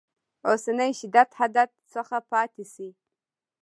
اوسني شدت حدت څخه پاتې شي.